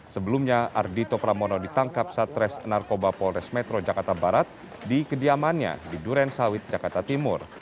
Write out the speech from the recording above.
sebelumnya ardhito pramono ditangkap saat res narkoba polres metro jakarta barat di kediamannya di duren sawit jakarta timur